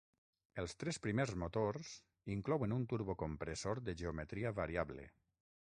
Els tres primers motors inclouen un turbocompressor de geometria variable.